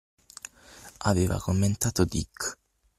aveva commentato Dick.